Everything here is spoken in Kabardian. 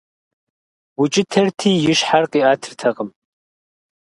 Укӏытэрти и щхьэр къиӏэтыртэкъым.